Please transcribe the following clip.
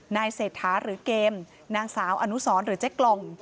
เศรษฐาหรือเกมนางสาวอนุสรหรือเจ๊กล่อง